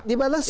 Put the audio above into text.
di mana sah